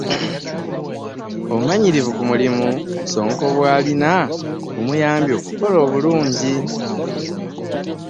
Obumanyirivu ku mulimu Ssonko bw'alina bumuyambye okukola obulungi.